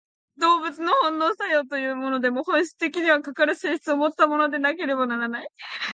動物の本能作用というものでも、本質的には、かかる性質をもったものでなければならない。